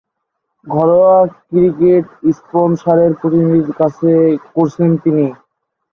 ঘরোয়া ক্রিকেটে হ্যাম্পশায়ারের প্রতিনিধিত্ব করছেন তিনি।